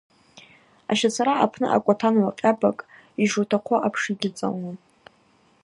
Ащацара апны акӏватан гӏвкъьабакӏ йшутахъу апш йгьыцӏалуам.